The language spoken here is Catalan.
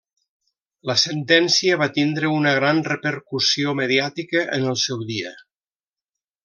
La sentència va tindre una gran repercussió mediàtica en el seu dia.